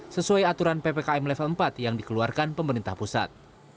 sesuai aturan ppkm level empat yang dikeluarkan pemerintah pusat